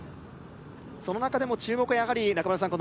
その中でも注目はやはり中村さん